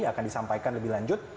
akan disampaikan lebih lanjut